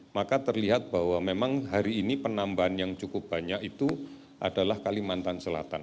maka terlihat bahwa memang hari ini penambahan yang cukup banyak itu adalah kalimantan selatan